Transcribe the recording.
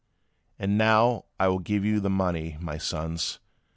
And now I will give you the money, my sons.